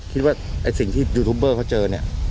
คิดว่าสิ่งที่ยูทูปเบอร์เค้าเจะนี่